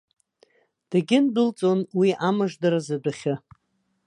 Дагьындәылҵуан уи амыждараз адәахьы.